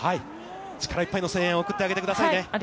力いっぱいの声援を送ってあげてくださいね。